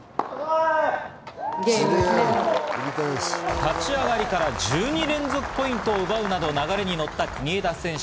立ち上がりから１２連続ポイントを奪うなど流れにのった国枝選手。